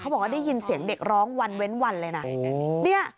เขาบอกว่าได้ยินเสียงเด็กร้องวันเว้นวันเลยน่ะโหเนี้ย